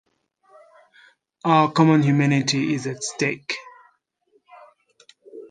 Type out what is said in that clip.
Our common humanity is at stake.